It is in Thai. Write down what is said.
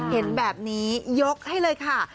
เห็นแบบนี้ยกให้เลยค่ะ